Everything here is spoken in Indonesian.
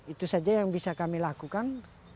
itu saja yang bisa kami lakukan